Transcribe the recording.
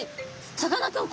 さかなクン